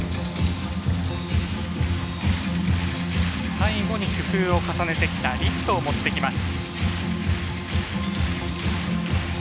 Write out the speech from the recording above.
最後に工夫を重ねてきたリフトを持ってきます。